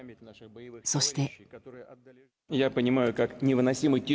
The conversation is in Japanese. そして。